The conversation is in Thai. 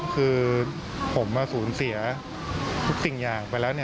คือผมสูญเสียทุกสิ่งอย่างไปแล้ว